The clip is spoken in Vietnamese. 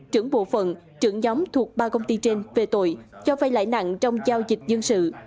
trưởng bộ phận trưởng nhóm thuộc ba công ty trên về tội cho vay lãi nặng trong giao dịch dân sự